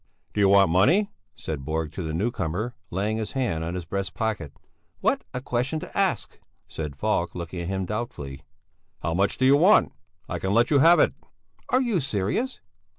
"Do you want money?" said Borg to the newcomer, laying his hand on his breast pocket. "What a question to ask," said Falk, looking at him doubtfully. "How much do you want? I can let you have it." "Are you serious?"